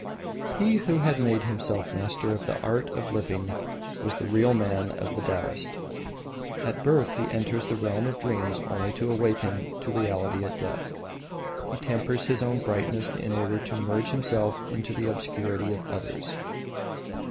He who had made himself master of the art of living was the Real man of the Taoist. At birth he enters the realm of dreams only to awaken to reality at death. He tempers his own brightness in order to merge himself into the obscurity of others.